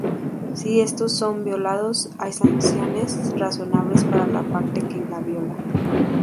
Si estos son violados, hay sanciones razonables para la parte que viola.